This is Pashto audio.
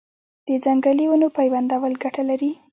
د ځنګلي ونو پیوندول ګټه لري؟